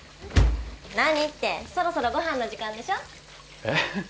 何ってそろそろご飯の時間でしょえっ？